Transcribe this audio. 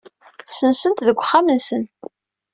Ssensen-t deg uxxam-nsen.